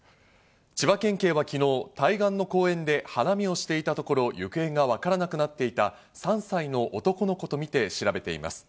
千葉県警は昨日、対岸の公園で花見をしていたところ、行方がわからなくなっていた３歳の男の子とみて調べています。